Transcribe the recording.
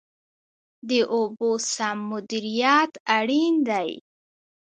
د اوبو سم مدیریت اړین دی